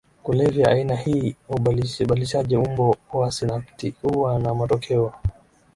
kulevya Aina hii ya ubadilishaji umbo wa sinapti huwa na matokeo